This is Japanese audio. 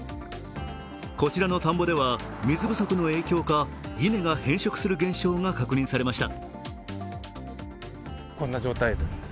こちらの田んぼでは水不足の影響が、稲が変色する現象が確認されました。